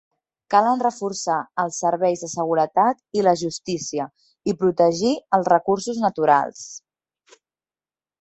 Calen reforçar els serveis de seguretat i la justícia i protegir els recursos naturals.